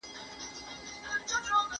تېرو حکومتونو ځيني کتابونه سانسور کړل.